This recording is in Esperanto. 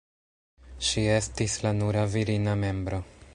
Ŝi estis la nura virina membro.